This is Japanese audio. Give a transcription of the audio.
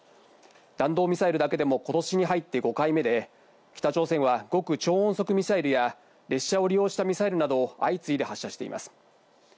弾道ミサイルだけでも今年に入って５回目で、北朝鮮は極超音速ミサイルや列車を利用したミサイルなどを相次いで発射しています。